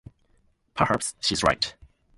Perhaps she's right.